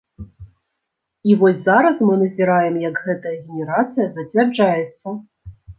І вось зараз мы назіраем, як гэтая генерацыя зацвярджаецца.